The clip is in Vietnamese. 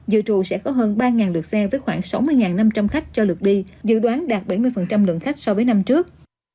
dự trù sẽ có hơn ba lượt xe với khoảng sáu mươi năm trăm linh khách cho lượt đi dự đoán đạt bảy mươi lượng khách so với năm trước